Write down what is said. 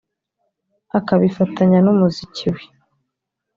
akabifatanya n’umuziki we